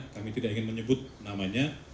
kami tidak ingin menyebut namanya